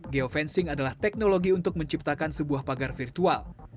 geofencing adalah teknologi untuk menciptakan sebuah pagar virtual